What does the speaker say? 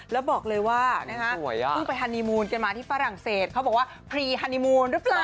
แล้วบอกเลยว่าเพิ่งไปฮานีมูลกันมาที่ฝรั่งเศสเขาบอกว่าพรีฮานีมูลหรือเปล่า